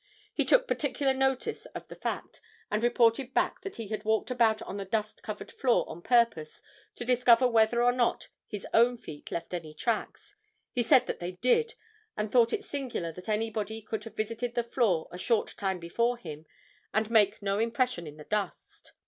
He took particular notice of the fact, and reported back that he had walked about on the dust covered floor on purpose to discover whether or not his own feet left any tracks. He said that they did and thought it singular that anybody could have visited the floor a short time before him and make no impression on the dust.